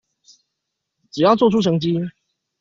只要做出成績